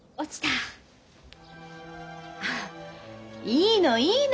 いいのいいの！